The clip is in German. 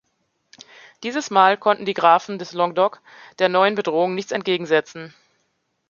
Dieses Mal konnten die Grafen des Languedoc der neuen Bedrohung nichts entgegensetzen.